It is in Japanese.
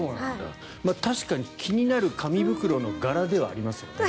確かに気になる紙袋の柄ではありますよね。